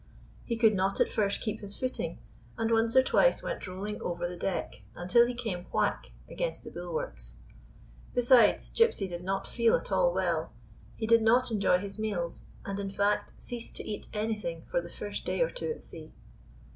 He could not at first keep his footing, and once or twice went rolling over the deck until he came whack against the bulwarks. Besides, Gypsy did not feel at all well. He did not enjoy his meals, and, in fact, ceased to eat anything for the first day or two at sea.